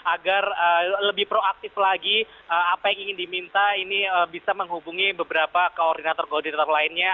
agar lebih proaktif lagi apa yang ingin diminta ini bisa menghubungi beberapa koordinator koordinator lainnya